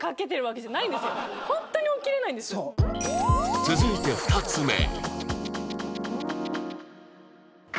続いて２つ目